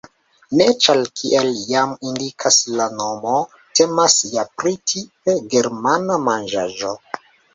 Ne, ĉar kiel jam indikas la nomo, temas ja pri tipe germana manĝaĵo.